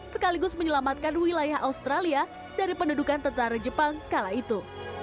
sekaligus menyelamatkan wilayah australia dari pendudukan tentara jepang kala itu